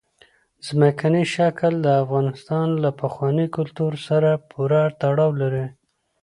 ځمکنی شکل د افغانستان له پخواني کلتور سره پوره تړاو لري.